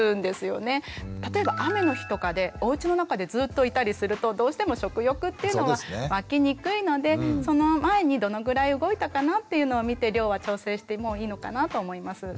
例えば雨の日とかでおうちの中でずっといたりするとどうしても食欲っていうのはわきにくいのでその前にどのぐらい動いたかなっていうのを見て量は調整してもいいのかなと思います。